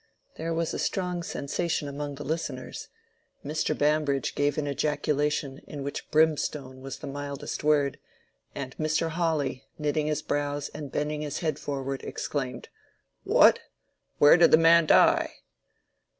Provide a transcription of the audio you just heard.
There was a strong sensation among the listeners. Mr. Bambridge gave an ejaculation in which "brimstone" was the mildest word, and Mr. Hawley, knitting his brows and bending his head forward, exclaimed, "What?—where did the man die?"